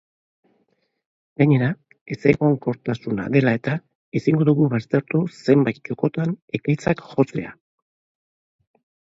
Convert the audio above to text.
Gainera, ezegonkortasuna dela eta, ezingo dugu baztertu zenbait txokotan ekaitzak jotzea.